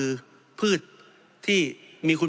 เพราะฉะนั้นโทษเหล่านี้มีทั้งสิ่งที่ผิดกฎหมายใหญ่นะครับ